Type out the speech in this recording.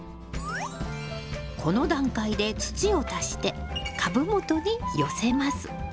この段階で土を足して株元に寄せます。